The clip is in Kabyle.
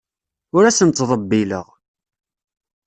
Ur asen-ttḍebbileɣ.